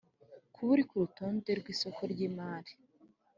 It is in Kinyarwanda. Kuba iri ku rutonde rw isoko ry imari